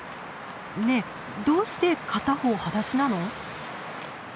ねえどうして片方はだしなの？